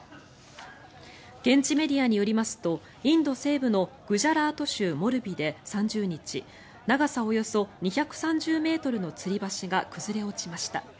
現地メディアによりますとインド西部のグジャラート州モルビで３０日長さおよそ２３０ｍのつり橋が崩れ落ちました。